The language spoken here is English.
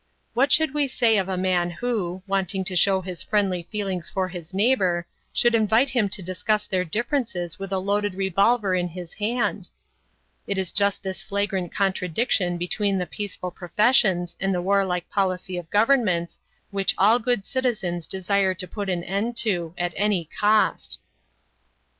What should we say of a man who, wanting to show his friendly feelings for his neighbor, should invite him to discuss their differences with a loaded revolver in his hand? "It is just this flagrant contradiction between the peaceful professions and the warlike policy of governments which all good citizens desire to put an end to, at any cost."